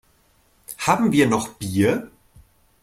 Haben wir noch Bier?